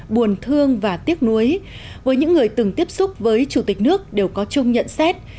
buồn thương và tiếc nuối với những người từng tiếp xúc với chủ tịch nước đều có chung nhận xét